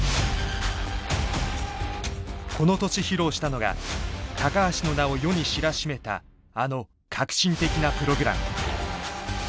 この年披露したのが橋の名を世に知らしめたあの革新的なプログラム。